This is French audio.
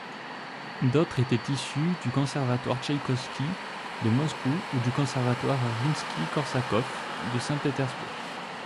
D'autres étaient issus du Conservatoire Tchaïkovski de Moscou ou du Conservatoire Rimski-Korsakov de Saint-Pétersbourg.